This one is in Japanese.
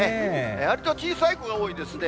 わりと小さい子が多いですね。